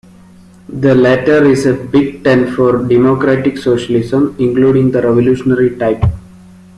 The latter is a big tent for Democratic Socialism, including the Revolutionary type.